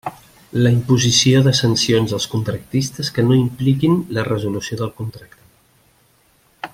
La imposició de sancions als contractistes que no impliquin la resolució del contracte.